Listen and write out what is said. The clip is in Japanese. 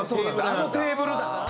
「あのテーブル」だから。